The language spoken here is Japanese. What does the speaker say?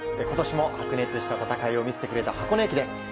今年も白熱した戦いを見せてくれた箱根駅伝。